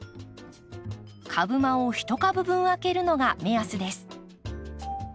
株間を１株分空けるのが目安です。